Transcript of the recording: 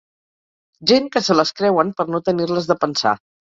Gent que se les creuen per no tenir-les de pensar